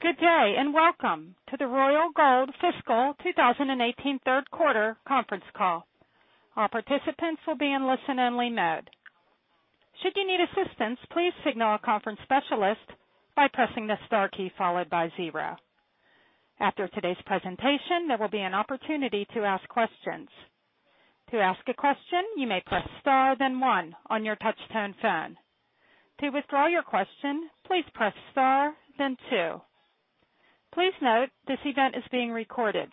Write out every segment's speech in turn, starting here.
Good day, and welcome to the Royal Gold Fiscal 2018 third quarter conference call. All participants will be in listen-only mode. Should you need assistance, please signal a conference specialist by pressing the star key followed by zero. After today's presentation, there will be an opportunity to ask questions. To ask a question, you may press star, then one on your touch-tone phone. To withdraw your question, please press star, then two. Please note, this event is being recorded.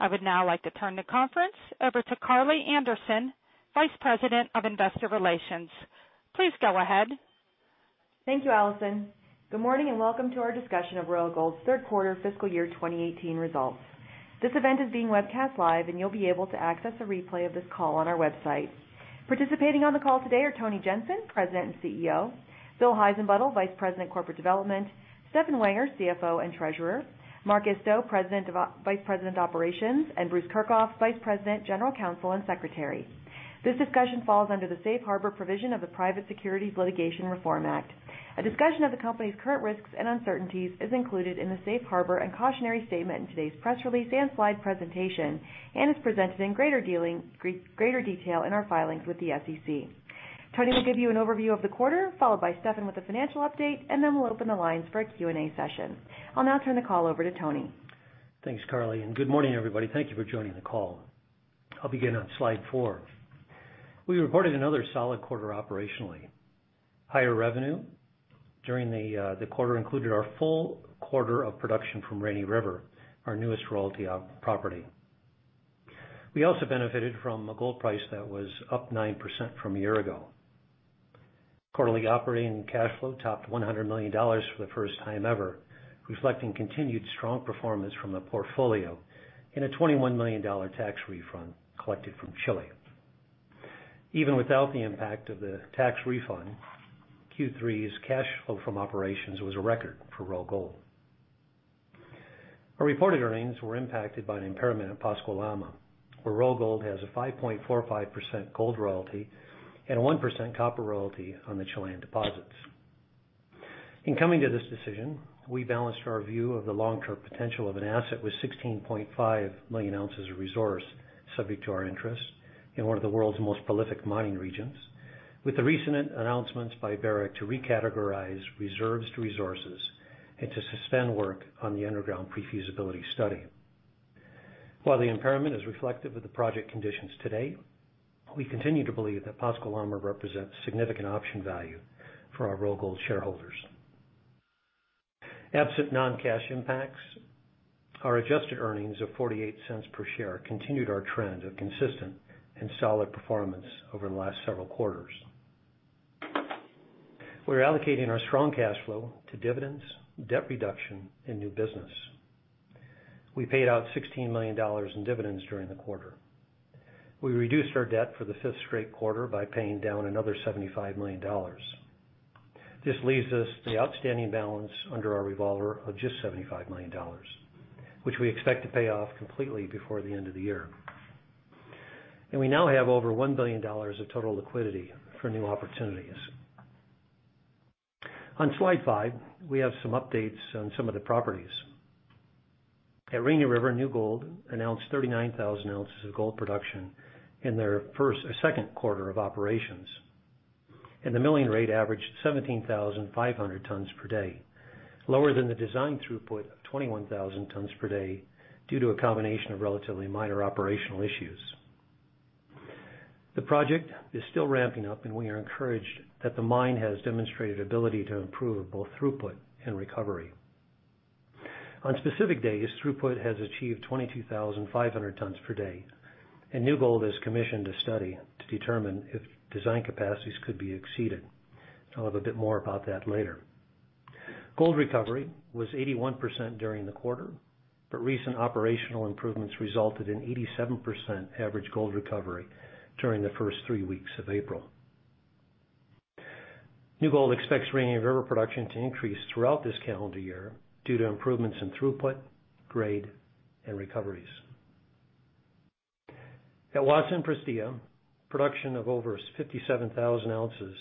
I would now like to turn the conference over to Karli Anderson, Vice President of Investor Relations. Please go ahead. Thank you, Allison. Good morning, and welcome to our discussion of Royal Gold's third quarter fiscal year 2018 results. This event is being webcast live, and you'll be able to access a replay of this call on our website. Participating on the call today are Tony Jensen, President and CEO, Bill Heissenbuttel, Vice President Corporate Development, Stefan Wenger, CFO and Treasurer, Mark Isto, Vice President Operations, and Bruce Kirchhoff, Vice President, General Counsel and Secretary. This discussion falls under the safe harbor provision of the Private Securities Litigation Reform Act. A discussion of the company's current risks and uncertainties is included in the safe harbor and cautionary statement in today's press release and slide presentation and is presented in greater detail in our filings with the SEC. Tony will give you an overview of the quarter, followed by Stefan with the financial update, and then we'll open the lines for a Q&A session. I'll now turn the call over to Tony. Thanks, Karli, and good morning, everybody. Thank you for joining the call. I'll begin on slide four. We reported another solid quarter operationally. Higher revenue during the quarter included our full quarter of production from Rainy River, our newest royalty property. We also benefited from a gold price that was up 9% from a year ago. Quarterly operating cash flow topped $100 million for the first time ever, reflecting continued strong performance from the portfolio and a $21 million tax refund collected from Chile. Even without the impact of the tax refund, Q3's cash flow from operations was a record for Royal Gold. Our reported earnings were impacted by an impairment at Pascua Lama, where Royal Gold has a 5.45% gold royalty and a 1% copper royalty on the Chilean deposits. In coming to this decision, we balanced our view of the long-term potential of an asset with 16.5 million ounces of resource subject to our interest in one of the world's most prolific mining regions, with the recent announcements by Barrick to recategorize reserves to resources and to suspend work on the underground pre-feasibility study. While the impairment is reflective of the project conditions today, we continue to believe that Pascua Lama represents significant option value for our Royal Gold shareholders. Absent non-cash impacts, our adjusted earnings of $0.48 per share continued our trend of consistent and solid performance over the last several quarters. We're allocating our strong cash flow to dividends, debt reduction and new business. We paid out $16 million in dividends during the quarter. We reduced our debt for the fifth straight quarter by paying down another $75 million. This leaves us the outstanding balance under our revolver of just $75 million, which we expect to pay off completely before the end of the year. We now have over $1 billion of total liquidity for new opportunities. On slide five, we have some updates on some of the properties. At Rainy River, New Gold announced 39,000 ounces of gold production in their second quarter of operations, and the milling rate averaged 17,500 tons per day, lower than the design throughput of 21,000 tons per day due to a combination of relatively minor operational issues. The project is still ramping up, and we are encouraged that the mine has demonstrated ability to improve both throughput and recovery. On specific days, throughput has achieved 22,500 tons per day, and New Gold has commissioned a study to determine if design capacities could be exceeded. I'll have a bit more about that later. Gold recovery was 81% during the quarter, but recent operational improvements resulted in 87% average gold recovery during the first three weeks of April. New Gold expects Rainy River production to increase throughout this calendar year due to improvements in throughput, grade, and recoveries. At Wassa and Prestea, production of over 57,000 ounces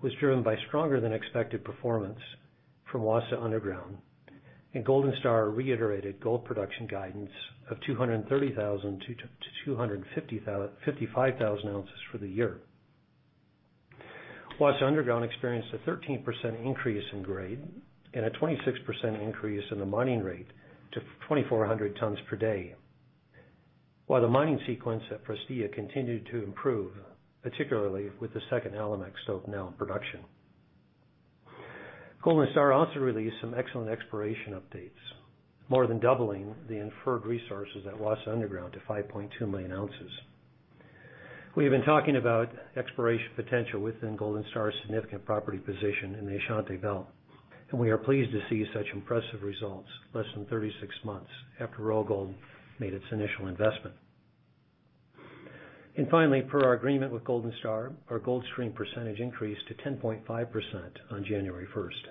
was driven by stronger than expected performance from Wassa Underground, and Golden Star reiterated gold production guidance of 230,000 to 255,000 ounces for the year. Wassa Underground experienced a 13% increase in grade and a 26% increase in the mining rate to 2,400 tons per day. While the mining sequence at Prestea continued to improve, particularly with the second Alimak stope now in production. Golden Star also released some excellent exploration updates, more than doubling the inferred resources at Wassa Underground to 5.2 million ounces. We have been talking about exploration potential within Golden Star's significant property position in the Ashanti Belt, and we are pleased to see such impressive results less than 36 months after Royal Gold made its initial investment. Finally, per our agreement with Golden Star, our gold stream percentage increased to 10.5% on January 1st.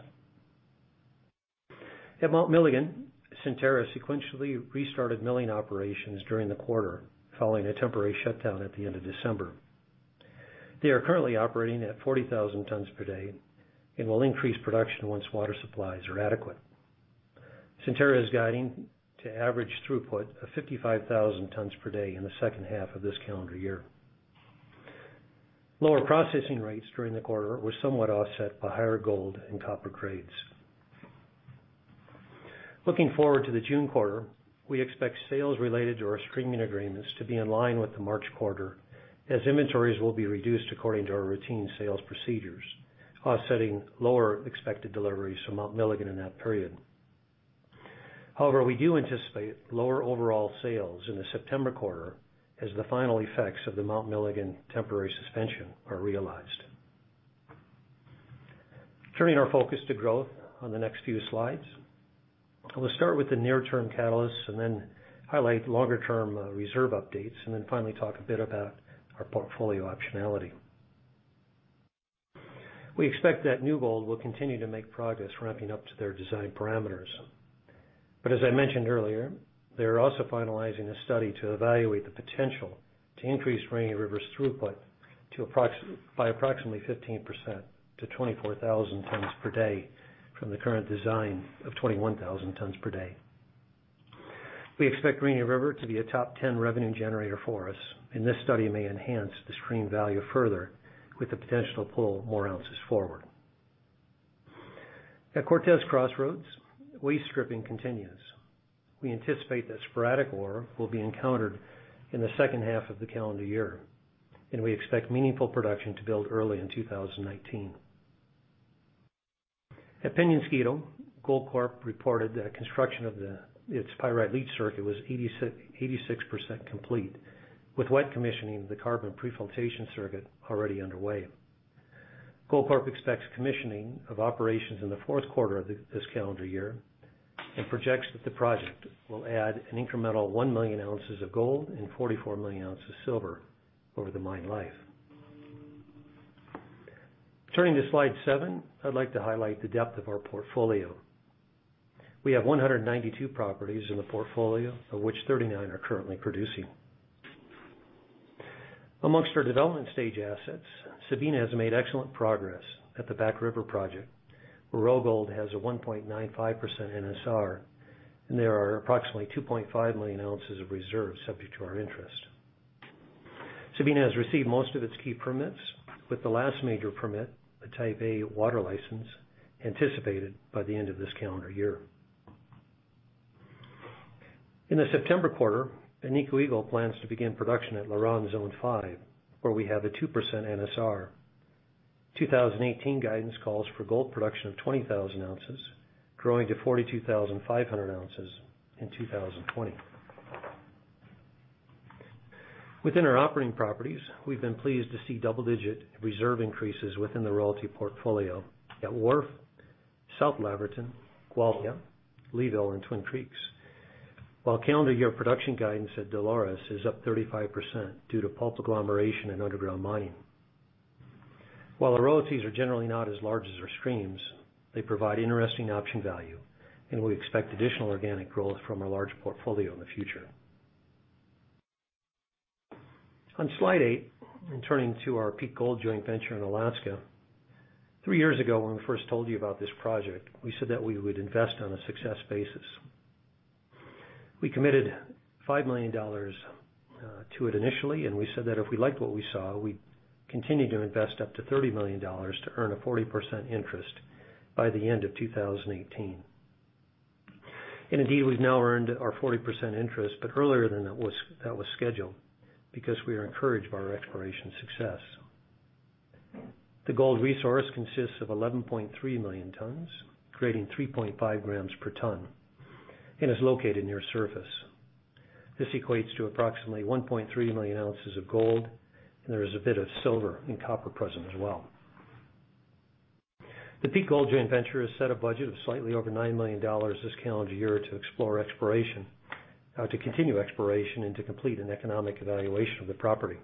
At Mount Milligan, Centerra sequentially restarted milling operations during the quarter following a temporary shutdown at the end of December. They are currently operating at 40,000 tons per day and will increase production once water supplies are adequate. Centerra is guiding to average throughput of 55,000 tons per day in the second half of this calendar year. Lower processing rates during the quarter were somewhat offset by higher gold and copper grades. Looking forward to the June quarter, we expect sales related to our streaming agreements to be in line with the March quarter, as inventories will be reduced according to our routine sales procedures, offsetting lower expected deliveries from Mount Milligan in that period. We do anticipate lower overall sales in the September quarter, as the final effects of the Mount Milligan temporary suspension are realized. Turning our focus to growth on the next few slides. I will start with the near-term catalysts and then highlight longer-term reserve updates, and then finally talk a bit about our portfolio optionality. We expect that New Gold will continue to make progress ramping up to their design parameters. As I mentioned earlier, they are also finalizing a study to evaluate the potential to increase Rainy River's throughput by approximately 15% to 24,000 tons per day from the current design of 21,000 tons per day. We expect Rainy River to be a top 10 revenue generator for us, and this study may enhance the stream value further with the potential to pull more ounces forward. At Cortez Crossroads, waste stripping continues. We anticipate that sporadic ore will be encountered in the second half of the calendar year, and we expect meaningful production to build early in 2019. At Peñasquito, Goldcorp reported that construction of its pyrite leach circuit was 86% complete, with wet commissioning of the carbon pre-flotation circuit already underway. Goldcorp expects commissioning of operations in the fourth quarter of this calendar year and projects that the project will add an incremental 1 million ounces of gold and 44 million ounces of silver over the mine life. Turning to slide seven, I would like to highlight the depth of our portfolio. We have 192 properties in the portfolio, of which 39 are currently producing. Amongst our development stage assets, Sabina has made excellent progress at the Back River project, where Royal Gold has a 1.95% NSR and there are approximately 2.5 million ounces of reserves subject to our interest. Sabina has received most of its key permits, with the last major permit, a Type A water licence, anticipated by the end of this calendar year. In the September quarter, Agnico Eagle plans to begin production at LaRonde Zone 5, where we have a 2% NSR. 2018 guidance calls for gold production of 20,000 ounces, growing to 42,500 ounces in 2020. Within our operating properties, we have been pleased to see double-digit reserve increases within the royalty portfolio at Wharf, South Laverton, Gwalia, Leeville and Twin Creeks. While calendar year production guidance at Dolores is up 35% due to pulp agglomeration and underground mining. While the royalties are generally not as large as our streams, they provide interesting option value, and we expect additional organic growth from our large portfolio in the future. On slide eight, turning to our Peak Gold joint venture in Alaska. Three years ago, when we first told you about this project, we said that we would invest on a success basis. We committed $5 million to it initially, we said that if we liked what we saw, we'd continue to invest up to $30 million to earn a 40% interest by the end of 2018. Indeed, we've now earned our 40% interest, but earlier than that was scheduled, because we are encouraged by our exploration success. The gold resource consists of 11.3 million tons, creating 3.5 grams per ton, and is located near surface. This equates to approximately 1.3 million ounces of gold, and there is a bit of silver and copper present as well. The Peak Gold joint venture has set a budget of slightly over $9 million this calendar year to continue exploration and to complete an economic evaluation of the property.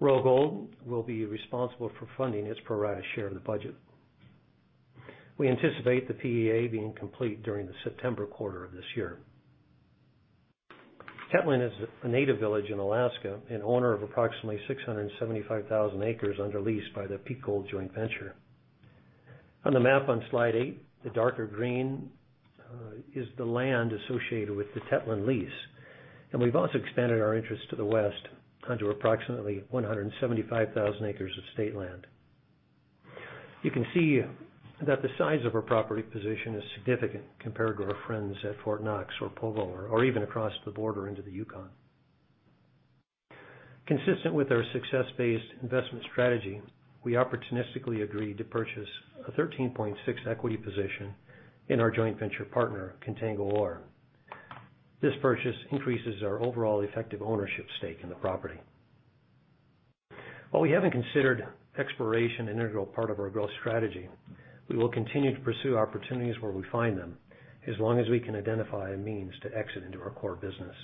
Royal Gold will be responsible for funding its pro rata share of the budget. We anticipate the PEA being complete during the September quarter of this year. Tetlin is a Native village in Alaska and owner of approximately 675,000 acres under lease by the Peak Gold joint venture. On the map on slide eight, the darker green is the land associated with the Tetlin lease, and we've also expanded our interest to the west onto approximately 175,000 acres of state land. You can see that the size of our property position is significant compared to our friends at Fort Knox or Pogo or even across the border into the Yukon. Consistent with our success-based investment strategy, we opportunistically agreed to purchase a 13.6% equity position in our joint venture partner, Contango Ore. This purchase increases our overall effective ownership stake in the property. While we haven't considered exploration an integral part of our growth strategy, we will continue to pursue opportunities where we find them, as long as we can identify a means to exit into our core business.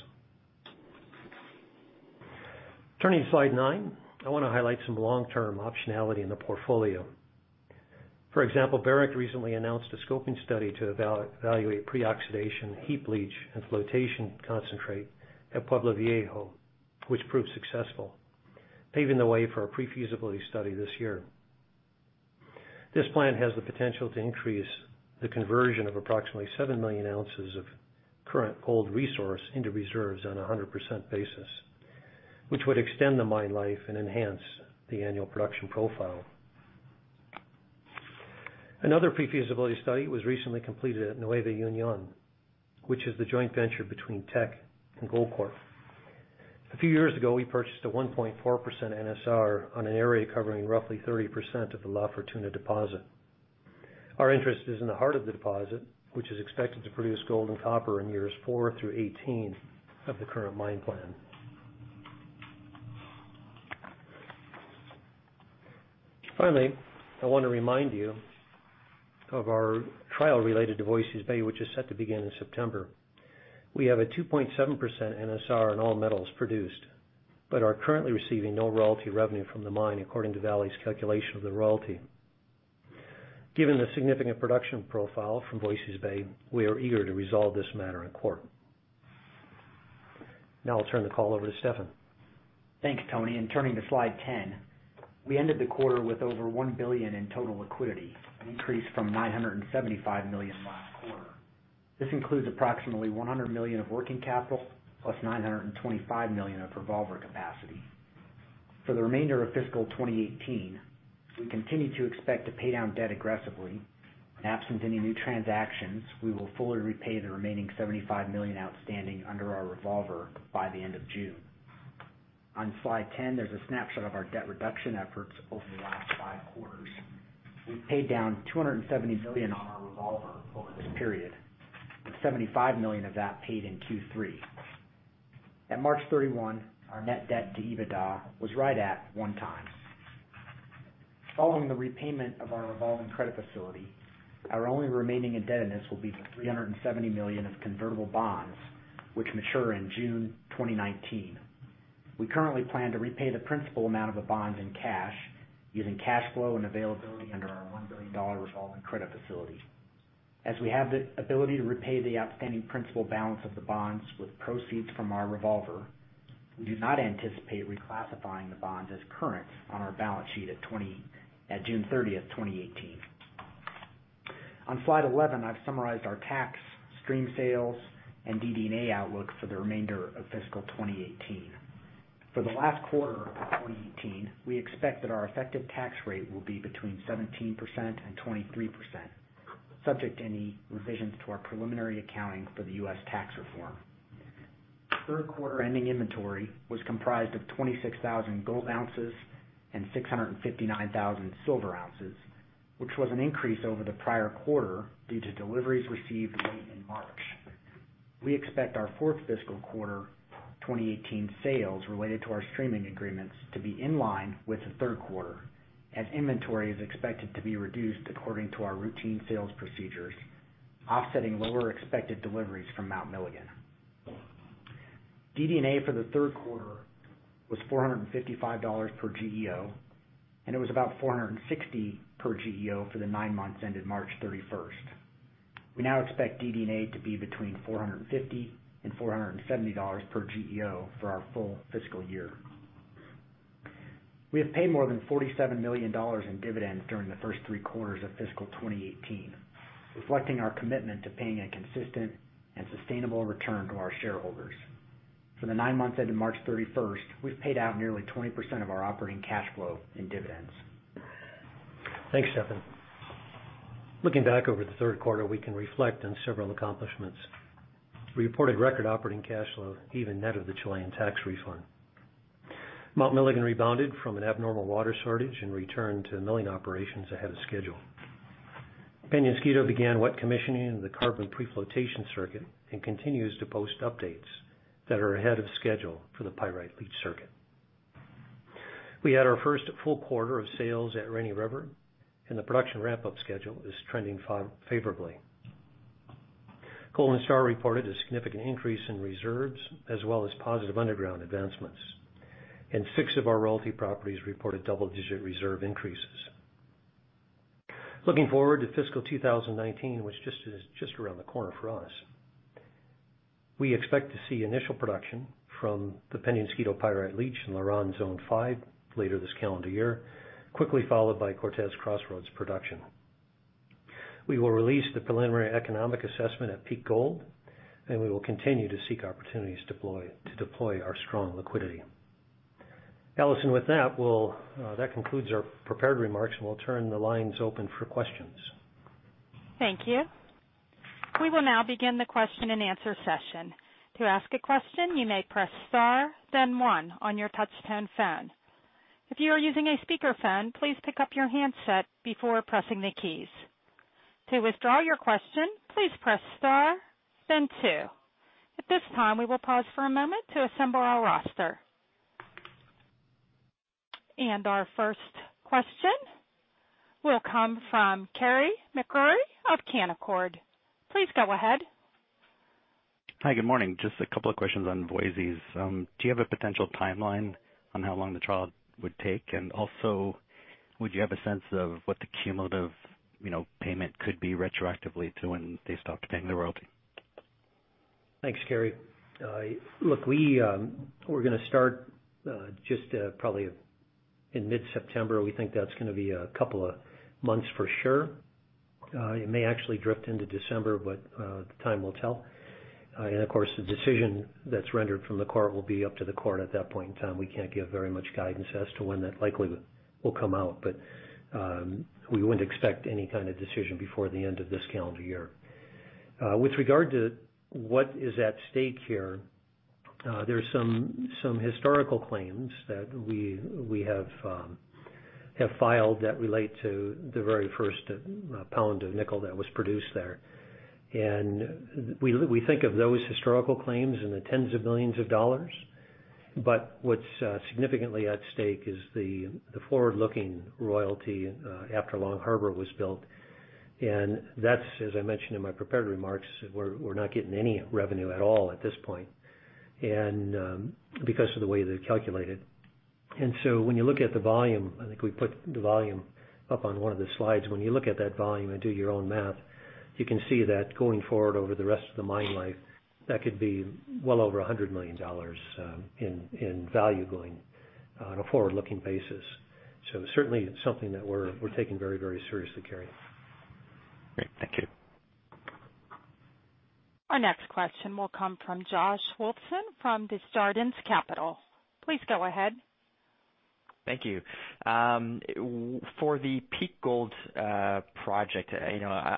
Turning to slide nine, I want to highlight some long-term optionality in the portfolio. For example, Barrick recently announced a scoping study to evaluate pre-oxidation heap leach and flotation concentrate at Pueblo Viejo, which proved successful, paving the way for a pre-feasibility study this year. This plan has the potential to increase the conversion of approximately 7 million ounces of current gold resource into reserves on a 100% basis, which would extend the mine life and enhance the annual production profile. Another pre-feasibility study was recently completed at Nueva Union, which is the joint venture between Teck and Goldcorp. A few years ago, we purchased a 1.4% NSR on an area covering roughly 30% of the La Fortuna deposit. Our interest is in the heart of the deposit, which is expected to produce gold and copper in years four through 18 of the current mine plan. Finally, I want to remind you of our trial related to Voisey's Bay, which is set to begin in September. We have a 2.7% NSR on all metals produced but are currently receiving no royalty revenue from the mine, according to Vale's calculation of the royalty. Given the significant production profile from Voisey's Bay, we are eager to resolve this matter in court. Now I'll turn the call over to Stefan. Thanks, Tony. Turning to slide 10, we ended the quarter with over $1 billion in total liquidity, an increase from $975 million last quarter. This includes approximately $100 million of working capital plus $925 million of revolver capacity. For the remainder of fiscal 2018, we continue to expect to pay down debt aggressively. Absent any new transactions, we will fully repay the remaining $75 million outstanding under our revolver by the end of June. On slide 10, there's a snapshot of our debt reduction efforts over the last five quarters. We've paid down $270 million on our revolver over this period, with $75 million of that paid in Q3. At March 31, our net debt to EBITDA was right at one times. Following the repayment of our revolving credit facility, our only remaining indebtedness will be the $370 million of convertible bonds, which mature in June 2019. We currently plan to repay the principal amount of the bonds in cash, using cash flow and availability under our $1 billion revolving credit facility. As we have the ability to repay the outstanding principal balance of the bonds with proceeds from our revolver, we do not anticipate reclassifying the bonds as current on our balance sheet at June 30, 2018. On slide 11, I've summarized our tax stream sales and DD&A outlook for the remainder of fiscal 2018. For the last quarter of 2018, we expect that our effective tax rate will be between 17% and 23%, subject to any revisions to our preliminary accounting for the U.S. tax reform. Third quarter ending inventory was comprised of 26,000 gold ounces and 659,000 silver ounces, which was an increase over the prior quarter due to deliveries received late in March. We expect our fourth fiscal quarter 2018 sales related to our streaming agreements to be in line with the third quarter, as inventory is expected to be reduced according to our routine sales procedures, offsetting lower expected deliveries from Mount Milligan. DD&A for the third quarter was $455 per GEO, and it was about $460 per GEO for the nine months ended March 31. We now expect DD&A to be between $450 and $470 per GEO for our full fiscal year. We have paid more than $47 million in dividends during the first three quarters of fiscal 2018, reflecting our commitment to paying a consistent and sustainable return to our shareholders. For the nine months ended March 31, we've paid out nearly 20% of our operating cash flow in dividends. Thanks, Stefan. Looking back over the third quarter, we can reflect on several accomplishments. We reported record operating cash flow even net of the Chilean tax refund. Mount Milligan rebounded from an abnormal water shortage and returned to milling operations ahead of schedule. Peñasquito began wet commissioning of the carbon pre-flotation circuit and continues to post updates that are ahead of schedule for the pyrite leach circuit. We had our first full quarter of sales at Rainy River, and the production ramp-up schedule is trending favorably. Golden Star reported a significant increase in reserves as well as positive underground advancements. Six of our royalty properties reported double-digit reserve increases. Looking forward to fiscal 2019, which is just around the corner for us, we expect to see initial production from the Peñasquito pyrite leach and LaRonde Zone 5 later this calendar year, quickly followed by Cortez Crossroads production. We will release the preliminary economic assessment at Peak Gold. We will continue to seek opportunities to deploy our strong liquidity. Allison, with that concludes our prepared remarks. We'll turn the lines open for questions. Thank you. We will now begin the question and answer session. To ask a question, you may press star then one on your touchtone phone. If you are using a speakerphone, please pick up your handset before pressing the keys. To withdraw your question, please press star then two. At this time, we will pause for a moment to assemble our roster. Our first question will come from Kerry McCrary of Canaccord. Please go ahead. Hi, good morning. Just a couple of questions on Voisey's. Do you have a potential timeline on how long the trial would take? Also, would you have a sense of what the cumulative payment could be retroactively to when they stopped paying the royalty? Thanks, Kerry. Look, we're going to start just probably in mid-September. We think that's going to be a couple of months for sure. It may actually drift into December. Time will tell. Of course, the decision that's rendered from the court will be up to the court at that point in time. We can't give very much guidance as to when that likely will come out. We wouldn't expect any kind of decision before the end of this calendar year. With regard to what is at stake here, there's some historical claims that we have filed that relate to the very first pound of nickel that was produced there. We think of those historical claims in the $tens of millions. What's significantly at stake is the forward-looking royalty after Long Harbour was built. That's, as I mentioned in my prepared remarks, we're not getting any revenue at all at this point because of the way they calculate it. When you look at the volume, I think we put the volume up on one of the slides. When you look at that volume and do your own math, you can see that going forward over the rest of the mine life, that could be well over $100 million in value going on a forward-looking basis. Certainly something that we're taking very seriously, Kerry. Great. Thank you. Our next question will come from Josh Wolfson from Desjardins Capital Markets. Please go ahead. Thank you. For the Peak Gold project,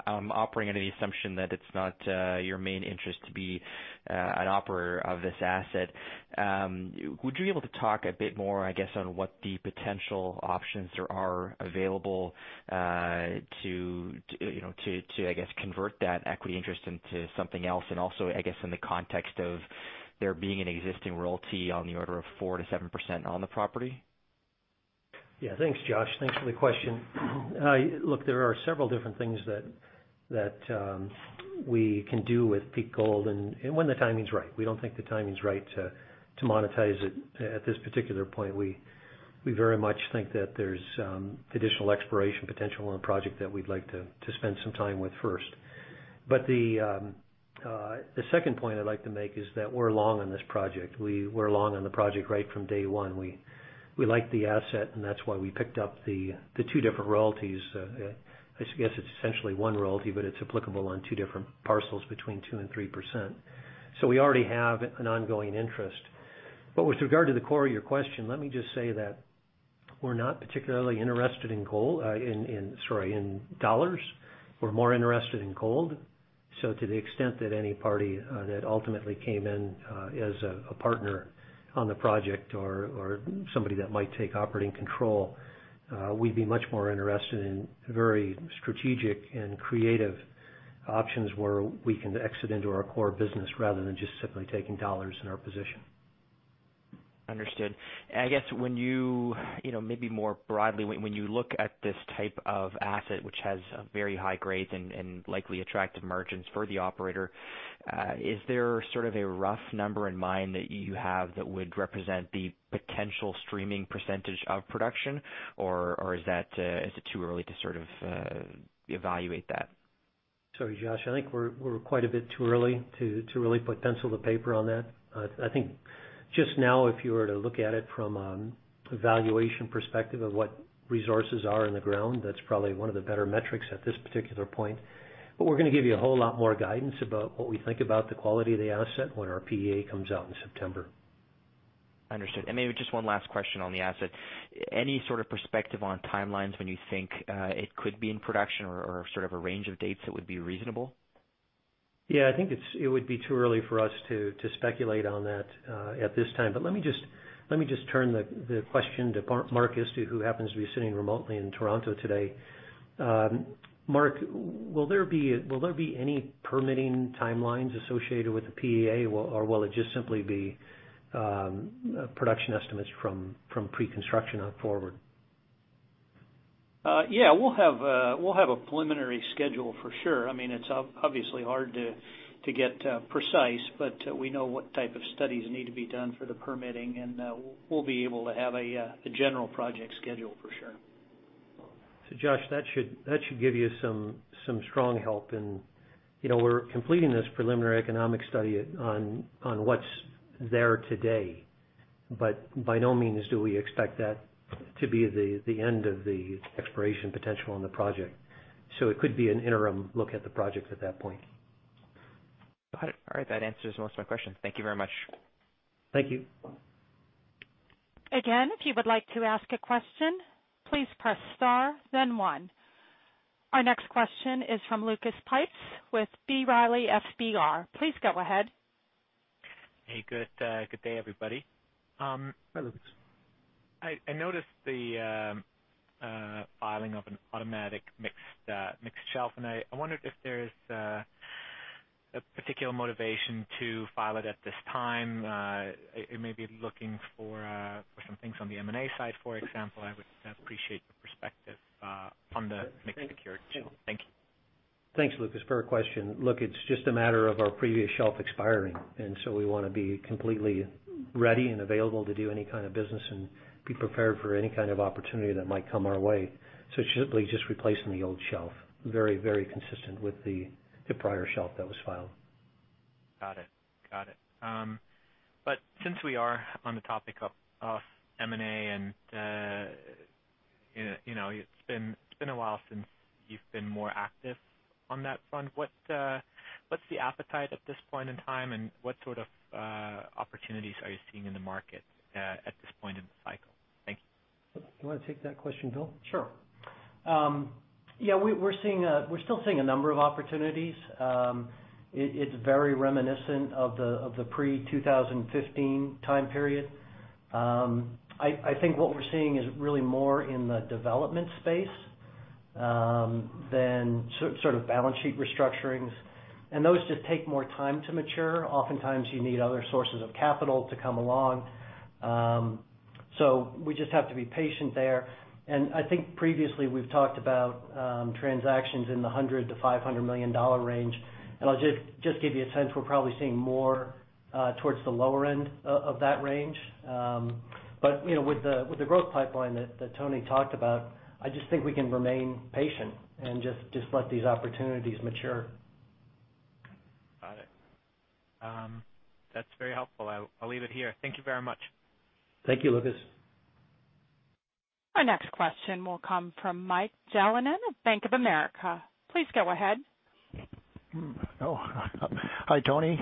I'm operating under the assumption that it's not your main interest to be an operator of this asset. Would you be able to talk a bit more, I guess, on what the potential options there are available to, I guess, convert that equity interest into something else? Also, I guess in the context of there being an existing royalty on the order of 4%-7% on the property? Yeah. Thanks, Josh. Thanks for the question. There are several different things that we can do with Peak Gold, and when the timing's right. We don't think the timing's right to monetize it at this particular point. We very much think that there's additional exploration potential on the project that we'd like to spend some time with first. The second point I'd like to make is that we're long on this project. We're long on the project right from day one. We like the asset, and that's why we picked up the two different royalties. I guess it's essentially one royalty, but it's applicable on two different parcels between 2% and 3%. We already have an ongoing interest. With regard to the core of your question, let me just say that we're not particularly interested in gold, sorry, in $. We're more interested in gold. To the extent that any party that ultimately came in as a partner on the project or somebody that might take operating control, we'd be much more interested in very strategic and creative options where we can exit into our core business rather than just simply taking $ in our position. Understood. I guess maybe more broadly, when you look at this type of asset, which has very high grades and likely attractive margins for the operator, is there sort of a rough number in mind that you have that would represent the potential streaming percentage of production, or is it too early to sort of evaluate that? Josh, I think we're quite a bit too early to really put pencil to paper on that. I think just now, if you were to look at it from a valuation perspective of what resources are in the ground, that's probably one of the better metrics at this particular point. We're going to give you a whole lot more guidance about what we think about the quality of the asset when our PEA comes out in September. Understood. Maybe just one last question on the asset. Any sort of perspective on timelines when you think it could be in production or sort of a range of dates that would be reasonable? Yeah, I think it would be too early for us to speculate on that at this time. Let me just turn the question to Mark Isto, who happens to be sitting remotely in Toronto today. Mark, will there be any permitting timelines associated with the PEA, or will it just simply be production estimates from pre-construction on forward? Yeah, we'll have a preliminary schedule for sure. It's obviously hard to get precise, but we know what type of studies need to be done for the permitting, and we'll be able to have a general project schedule for sure. Josh, that should give you some strong help. We're completing this preliminary economic study on what's there today. By no means do we expect that to be the end of the exploration potential on the project. It could be an interim look at the project at that point. Got it. All right. That answers most of my questions. Thank you very much. Thank you. Again, if you would like to ask a question, please press star then one. Our next question is from Lucas Pipes with B. Riley FBR. Please go ahead. Hey, good day, everybody. Hi, Lucas. I noticed the filing of an automatic mixed shelf. I wondered if there's a particular motivation to file it at this time. It may be looking for some things on the M&A side, for example. I would appreciate your perspective on the mixed secured shelf. Thank you. Thanks, Lucas, for our question. It's just a matter of our previous shelf expiring, and so we want to be completely ready and available to do any kind of business and be prepared for any kind of opportunity that might come our way. It should be just replacing the old shelf. Very consistent with the prior shelf that was filed. Got it. Since we are on the topic of M&A and it's been a while since you've been more active on that front, what's the appetite at this point in time, and what sort of opportunities are you seeing in the market at this point in the cycle? Thank you. You want to take that question, Bill? Sure. Yeah, we're still seeing a number of opportunities. It's very reminiscent of the pre-2015 time period. I think what we're seeing is really more in the development space than sort of balance sheet restructurings, and those just take more time to mature. Oftentimes you need other sources of capital to come along. We just have to be patient there. I think previously we've talked about transactions in the $100 million-$500 million range. I'll just give you a sense, we're probably seeing more towards the lower end of that range. With the growth pipeline that Tony talked about, I just think we can remain patient and just let these opportunities mature. Got it. That's very helpful. I'll leave it here. Thank you very much. Thank you, Lucas. Our next question will come from Michael Jalonen of Bank of America. Please go ahead. Oh. Hi, Tony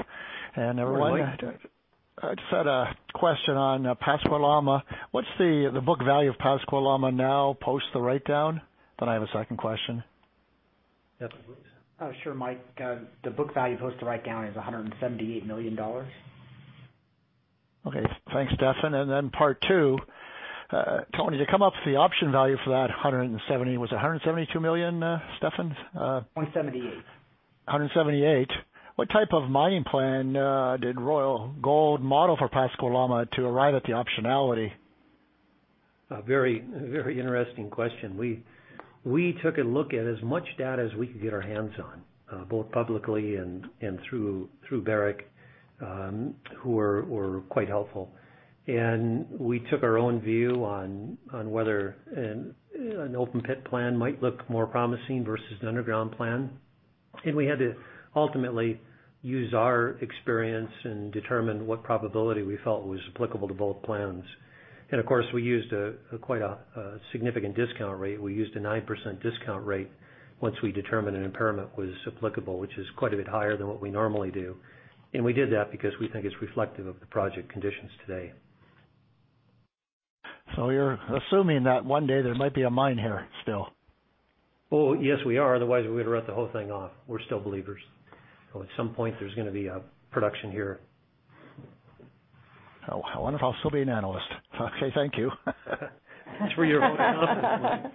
and everyone. Hi, Mike. I just had a question on Pascua Lama. What's the book value of Pascua Lama now post the write-down? I have a second question. Stefan, please. Sure, Michael. The book value post the write-down is $178 million. Okay, thanks, Stefan. Part two, Tony, to come up with the option value for that 170, was it $172 million, Stefan? 178. $178. What type of mining plan did Royal Gold model for Pascua Lama to arrive at the optionality? A very interesting question. We took a look at as much data as we could get our hands on, both publicly and through Barrick, who were quite helpful. We took our own view on whether an open pit plan might look more promising versus an underground plan. We had to ultimately use our experience and determine what probability we felt was applicable to both plans. Of course, we used quite a significant discount rate. We used a 9% discount rate once we determined an impairment was applicable, which is quite a bit higher than what we normally do. We did that because we think it's reflective of the project conditions today. You're assuming that one day there might be a mine here still? Yes, we are. Otherwise, we'd have wrote the whole thing off. We're still believers. At some point, there's going to be a production here. I want to also be an analyst. Okay, thank you. That's where you're going.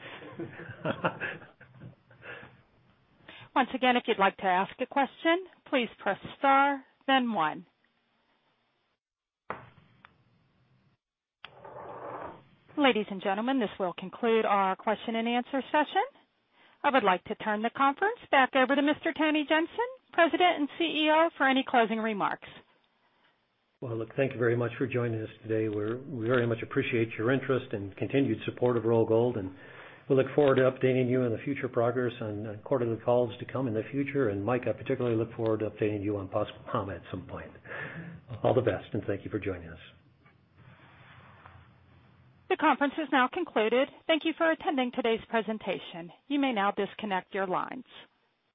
Once again, if you'd like to ask a question, please press star, then one. Ladies and gentlemen, this will conclude our question and answer session. I would like to turn the conference back over to Mr. Tony Jensen, President and CEO, for any closing remarks. Well, look, thank you very much for joining us today. We very much appreciate your interest and continued support of Royal Gold, and we look forward to updating you on the future progress on quarterly calls to come in the future. Mike, I particularly look forward to updating you on Pascua Lama at some point. All the best, and thank you for joining us. The conference is now concluded. Thank you for attending today's presentation. You may now disconnect your lines.